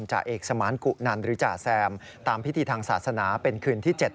จ่าเอกสมานกุนันหรือจ่าแซมตามพิธีทางศาสนาเป็นคืนที่๗